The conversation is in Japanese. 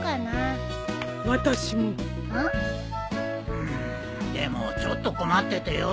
うーんでもちょっと困っててよ。